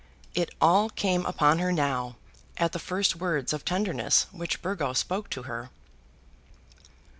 It all came upon her now at the first word of tenderness which Burgo spoke to her.